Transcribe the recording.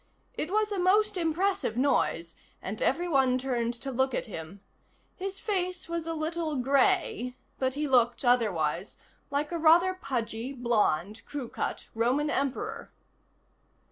It was a most impressive noise, and everyone turned to look at him. His face was a little gray, but he looked, otherwise, like a rather pudgy, blond, crew cut Roman emperor.